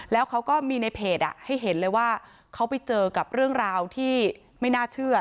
แล้วเขาก็มีในเพจให้เห็นเลยว่าเขาไปเจอกับเรื่องราวที่ไม่น่าเชื่อ